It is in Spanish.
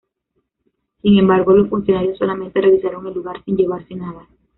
Sin embargo, los funcionarios solamente revisaron el lugar sin llevarse nada.